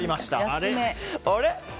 あれ？